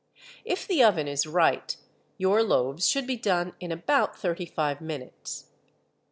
If the oven is right, your loaves should be done in about thirty five minutes.